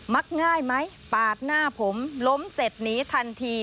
มักง่ายไหมปาดหน้าผมล้มเสร็จหนีทันที